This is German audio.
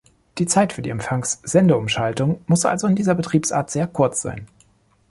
Die Zeit für die Empfangs-Sende-Umschaltung muss also in dieser Betriebsart sehr kurz sein.